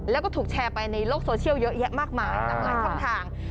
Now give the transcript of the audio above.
แล้วก็ถูกแชร์ไปในโลกโซเชียลเยอะแยะมากมาย